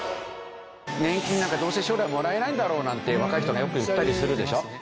年金なんかどうせ将来もらえないんだろうなんて若い人がよく言ったりするでしょ？